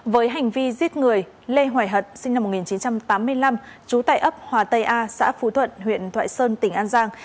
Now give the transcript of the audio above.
với hành vi giết người lê hoài hận sinh năm một nghìn chín trăm tám mươi năm trú tại ấp hòa tây a xã phú thuận huyện thoại sơn tỉnh an giang